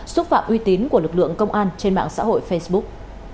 xúc phạm uy tín của lực lượng công an trên mạng xã hội facebook